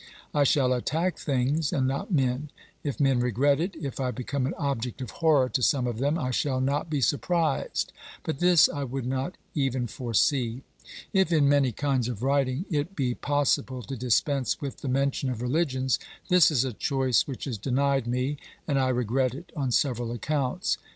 I shall attack things and not men ; if men regret it, if I become an object of horror to some of them, I shall not be surprised, but this I would not even foresee. If in many kinds of writing it be possible to dispense with the mention of religions, this is a choice which is denied me, and I regret it on several accounts.